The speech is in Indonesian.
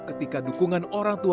ketika dukungan orang tua